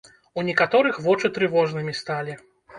У некаторых вочы трывожнымі сталі.